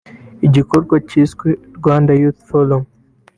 igikorwa cyiswe Rwanda Youth Forum